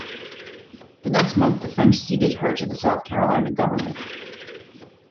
The next month the French ceded her to the South Carolina government.